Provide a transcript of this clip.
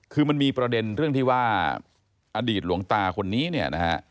คือมันมีประเด็นเรื่องที่ว่าอดีตหลวงตาคนนี้เนี่ยนะฮะ